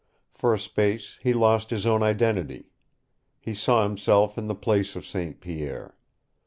For a space he lost his own identity. He saw himself in the place of St. Pierre.